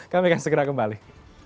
kami akan segera kembali